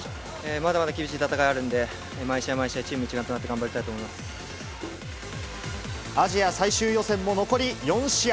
まだまだ厳しい戦いあるんで、毎試合、毎試合、チーム一丸となアジア最終予選も残り４試合。